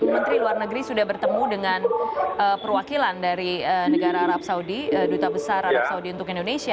menteri luar negeri sudah bertemu dengan perwakilan dari negara arab saudi duta besar arab saudi untuk indonesia